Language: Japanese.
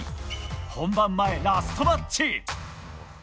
本番前ラストマッチ。